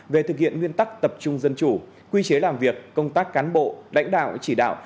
về thực hiện nguyên tắc tập trung dân chủ quy chế làm việc công tác cán bộ lãnh đạo chỉ đạo